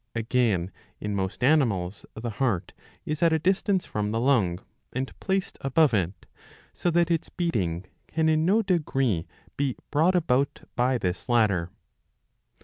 Again in most animals the heart is at a distance from the lung and placed above it;^ so that its beating can in no degree be brought about by this latter.